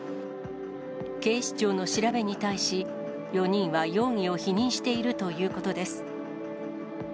警視庁の調べに対し、４人は容疑を否認しているということです。